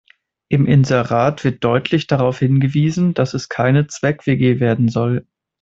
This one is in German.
Im Inserat wird deutlich darauf hingewiesen, dass es keine Zweck-WG werden soll.